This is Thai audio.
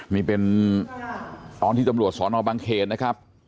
มีเป็นตอนที่ตำรวจศรบังเขตนะครับ